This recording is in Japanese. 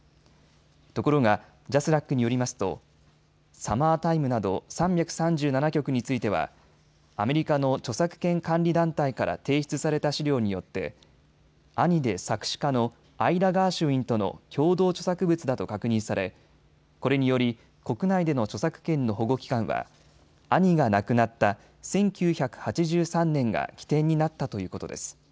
ところがＪＡＳＲＡＣによりますとサマータイムなど３３７曲についてはアメリカの著作権管理団体から提出された資料によって兄で作詞家のアイラ・ガーシュウィンとの共同著作物だと確認され、これにより国内での著作権の保護期間は兄が亡くなった１９８３年が起点になったということです。